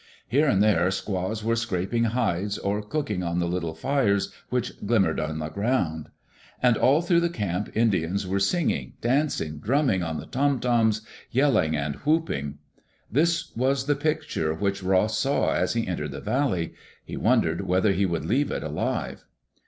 Here and there squaws were scrap ing hides, or cooking on the little fires which glimmered on the ground. And all through the camp Indians were singing, dancing, dnmmiing on the toM toms, yelling and whooping. This was the picture which Ross saw as he entered the valley. He wondered whether he would leave it alive.